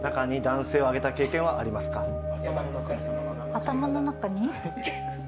頭の中に？